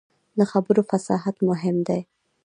د خبرو فصاحت مهم دی